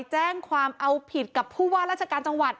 แจ้งความเอาผิดกับผู้ว่าราชการจังหวัด